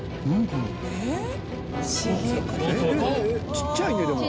ちっちゃいねでも。